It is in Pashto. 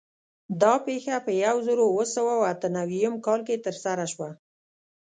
دا پېښه په یو زرو اوه سوه اته نوي م کال کې ترسره شوه.